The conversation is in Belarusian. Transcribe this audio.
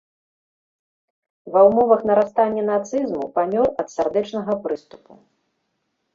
Ва ўмовах нарастання нацызму памёр ад сардэчнага прыступу.